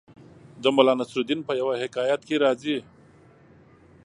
د ملا نصرالدین په یوه حکایت کې راځي